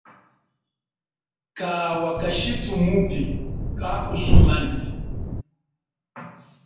Kawa kashithu mupi kakusumana.